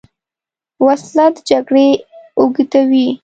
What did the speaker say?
وسله د جګړې اوږدوې